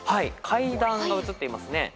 階段が写っていますね。